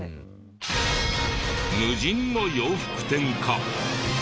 無人の洋服店か？